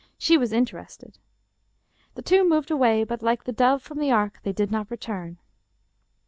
She was interested. The two moved away, but like the dove from the ark they did not return.